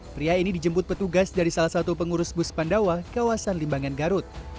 pria ini dijemput petugas dari salah satu pengurus bus pandawa kawasan limbangan garut